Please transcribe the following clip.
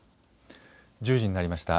１０時になりました。